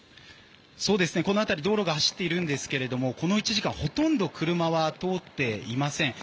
この辺り道路が走っているんですけれどもこの１時間ほとんど車は通っていません。